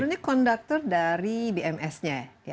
sebenarnya konduktor dari bms nya